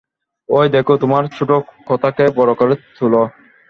ঐ দেখো, তোমরা ছোটো কথাকে বড়ো করে তোল।